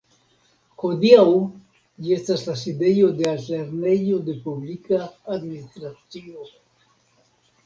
Hodiaŭ ĝi estas la sidejo de Altlernejo de Publika Administracio.